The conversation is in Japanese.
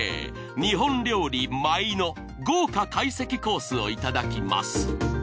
日本料理「舞」の豪華会席コースをいただきます。